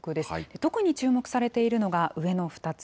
特に注目されているのが、上の２つ。